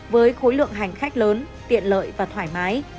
với khối lượng hành khách lớn tiện lợi và thoải mái